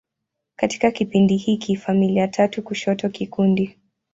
Katika kipindi hiki, familia tatu kushoto kikundi.